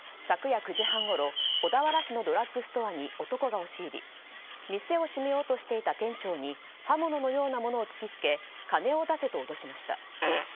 昨夜９時半ごろ小田原市のドラッグストアに男が押し入り店を閉めようとしていた店長に刃物のようなものを突き付け金を出せと脅しました。